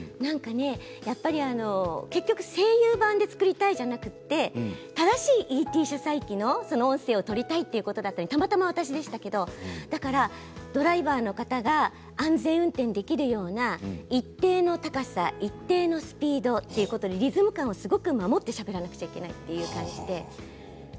やっぱり声優版で作りたいじゃなくて正しいＥＴＣ車載器の音声をとりたいということだったりたまたま私でしたけれどドライバーの方が安全運転ができるような一定の高さ、一定のスピードということでリズム感を持ってしゃべらなくてはいけないということで。